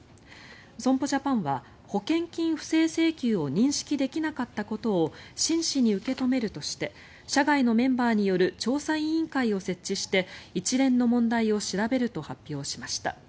損保ジャパンは保険金不正請求を認識できなかったことを真摯に受け止めるとして社外のメンバーによる調査委員会を設置して一連の問題を調べると発表しました。